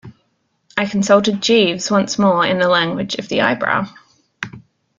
I consulted Jeeves once more in the language of the eyebrow.